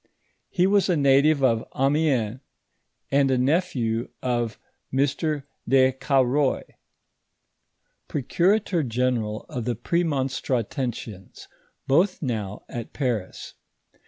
lie wns a native of Amiens, and a nephew of Mr. de Cauroy, procura tor general of the Premonstratensians, both now at Paris.